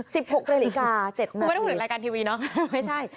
สิบหกนาฬิกาเจ็ดนาทีคุณไม่ได้พูดถึงรายการทีวีเนอะไม่ใช่